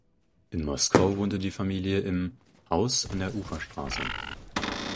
In Moskau wohnte die Familie im „Haus an der Uferstraße“.